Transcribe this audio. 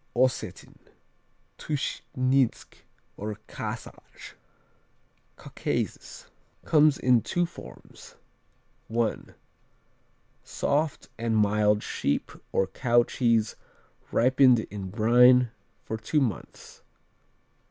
Ossetin, Tuschninsk, or Kasach Caucasus Comes in two forms: I. Soft and mild sheep or cow cheese ripened in brine for two months.